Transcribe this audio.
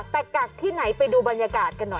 แต่กักที่ไหนไปดูบรรยากาศกันหน่อย